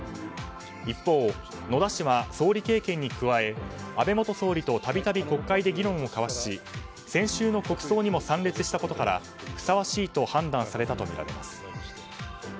一方、野田氏は総理経験に加え安倍元総理と度々、国会で議論を交わし先週の国葬にも参列したことから、ふさわしいと判断されたとみられます。